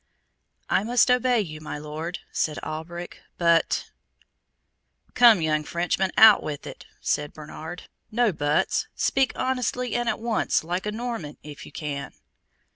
"I must obey you, my Lord," said Alberic, "but " "Come, young Frenchman, out with it," said Bernard, "no buts! Speak honestly, and at once, like a Norman, if you can."